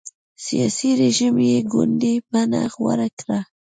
سیاسي رژیم یې یو ګوندي بڼه غوره کړه.